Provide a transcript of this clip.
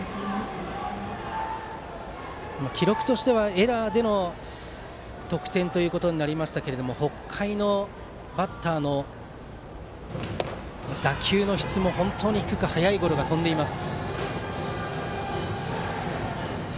記録としてはエラーでの得点となりましたが北海のバッターの打球の質も低く速いゴロが飛んでいます。